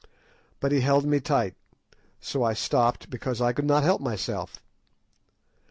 But he held me tight, so I stopped because I could not help myself.